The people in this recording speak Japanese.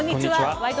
「ワイド！